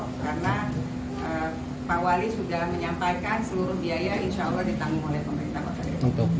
karena pak wali sudah menyampaikan seluruh biaya insya allah ditanggung oleh pemerintah kota depok